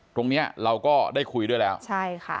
ตรงเนี้ยเราก็ได้คุยด้วยแล้วใช่ค่ะ